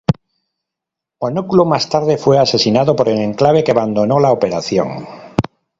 Monóculo más tarde fue asesinado por el Enclave que abandonó la operación.